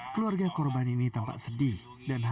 keluarga korban ini tampak sedih